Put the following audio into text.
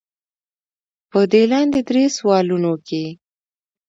پۀ دې لاندې درې سوالونو کښې